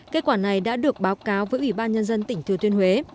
kết quả này đã được báo cáo với ủy ban nhân dân tỉnh thừa thiên huế